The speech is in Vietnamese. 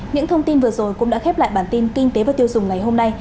cảm ơn quý vị đã theo dõi